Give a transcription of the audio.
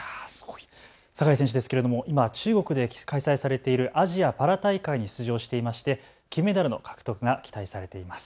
酒井選手ですけれども今、中国で開催されているアジアパラ大会に出場していまして金メダルの獲得が期待されています。